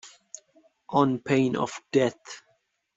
On pain of death.